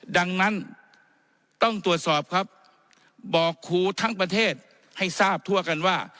ดังนั้นต้องตรวจสอบครับบอกครูทั้งประเทศให้ทราบทั่วกันว่า